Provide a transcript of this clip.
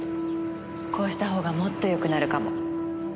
こうした方がもっとよくなるかも。